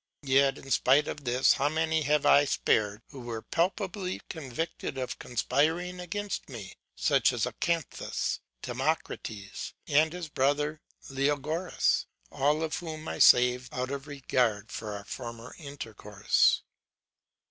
Yet in spite of this how many have I spared who were palpably convicted of conspiring against me; such were Acanthus, Timocrates, and his brother Leogoras, all of whom I saved out of regard for our former intercourse.